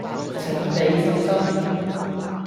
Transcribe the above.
請俾心心